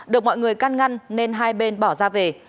được mọi người căn ngăn nên hai bên bỏ ra về